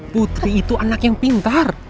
putri itu anak yang pintar